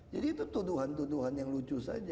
jadi itu tuduhan tuduhan yang lucu saja